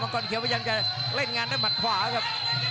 กรเขียวพยายามจะเล่นงานด้วยหมัดขวาครับ